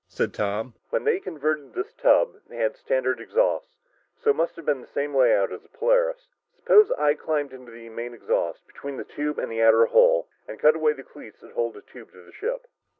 said Tom. "When they converted this tub, they had standard exhausts, so it must have the same layout as the Polaris. Suppose I climb in the main exhaust, between the tube and the outer hull, and cut away the cleats that hold the tube to the ship?"